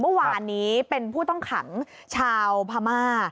เมื่อวานนี้เป็นผู้ต้องขังชาวพม่า